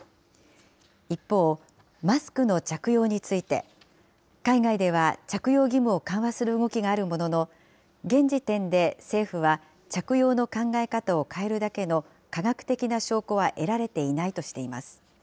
一方、マスクの着用について、海外では、着用義務を緩和する動きがあるものの、現時点で政府は、着用の考え方を変えるだけの科学的な証拠は得られていないとしています。